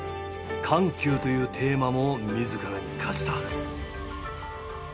緩急というテーマも自らに課した。